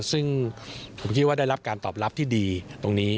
ซึ่งผมคิดว่าได้รับการตอบรับที่ดีตรงนี้